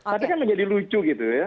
tapi kan menjadi lucu gitu ya